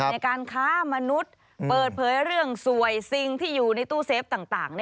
ในการค้ามนุษย์เปิดเผยเรื่องสวยสิ่งที่อยู่ในตู้เซฟต่าง